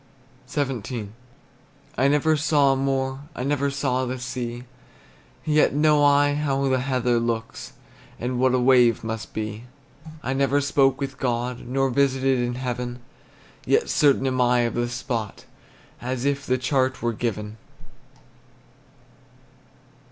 XVII. I never saw a moor, I never saw the sea; Yet know I how the heather looks, And what a wave must be. I never spoke with God, Nor visited in heaven; Yet certain am I of the spot As if the chart were given.